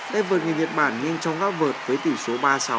tay vượt người nhật bản nhanh chóng góp vượt với tỷ số ba mươi sáu